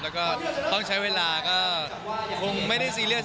แล้วก็ต้องใช้เวลาก็คงไม่ได้ซีเรียส